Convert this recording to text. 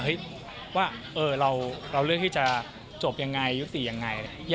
ว่าเราเลือกที่จะจบยังไงยุติยังไง